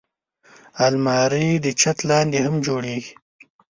الماري د چت لاندې هم جوړېږي